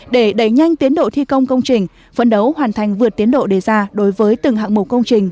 để đẩy nhanh tiến độ thi công công trình phấn đấu hoàn thành vượt tiến độ đề ra đối với từng hạng mục công trình